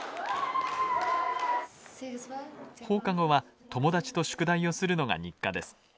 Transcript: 放課後は友達と宿題をするのが日課です。